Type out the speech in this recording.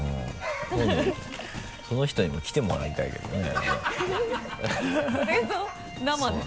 今度その人にも来てもらいたいけどね。